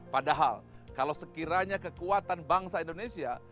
padahal kalau sekiranya kekuatan bangsa indonesia